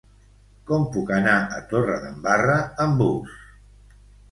Com puc anar a Torredembarra amb bus?